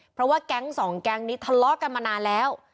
เพราะว่าแก๊งสองแก๊งนี้ทะเลาะกันมานานแล้ว